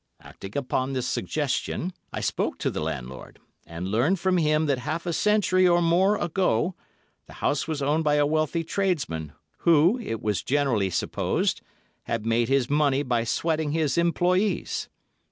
Acting upon this suggestion, I spoke to the landlord, and learned from him that half a century or more ago the house was owned by a wealthy tradesman, who, it was generally supposed, had made his money by sweating his employés.